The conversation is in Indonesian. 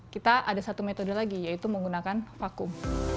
kita ada satu metode lagi yaitu menggunakan vakum